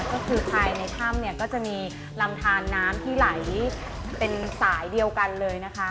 ก็คือภายในถ้ำเนี่ยก็จะมีลำทานน้ำที่ไหลเป็นสายเดียวกันเลยนะคะ